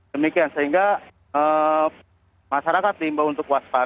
demikian sehingga masyarakat diimbau untuk waspada